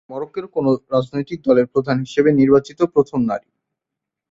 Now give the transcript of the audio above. তিনি মরক্কোর কোন রাজনৈতিক দলের প্রধান হিসেবে নির্বাচিত প্রথম নারী।